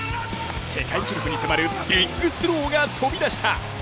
世界記録に迫るビッグスローが飛び出した。